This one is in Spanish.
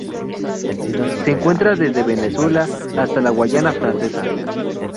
Se encuentra desde Venezuela hasta la Guayana Francesa.